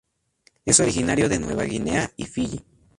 Es originario de Nueva Guinea y Fiyi.